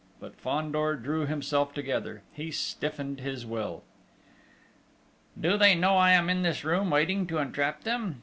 But Fandor drew himself together; he stiffened his will. Do they know I am in this room waiting to entrap them?